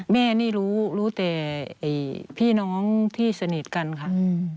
แม่นี่รู้รู้แต่พี่น้องที่สนิทกันค่ะ